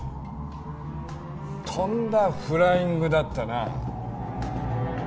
とんだフライングだったな。